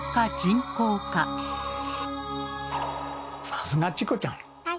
さすがチコちゃん。